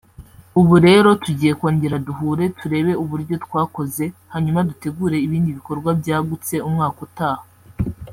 ubu rero tugiye kongera duhure turebe uburyo twakoze hanyuma dutegure ibindi bikorwa byagutse umwaka utaha